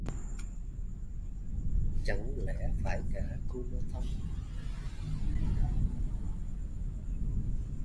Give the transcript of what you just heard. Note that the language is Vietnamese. Chẳng lẽ phải cả kumanthong